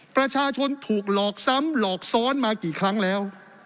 ประชาชนถูกหลอกซ้ำหลอกซ้อนมากี่ครั้งแล้ว